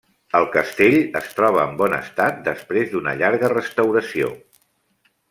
El castell es troba en bon estat després d’una llarga restauració.